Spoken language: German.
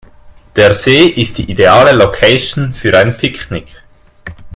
Der See ist die ideale Location für ein Picknick.